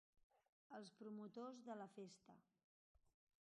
Els promotors de la festa.